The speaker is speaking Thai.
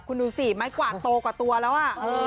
คุณดูสิไม้กวาดโตกว่าตัวแล้ว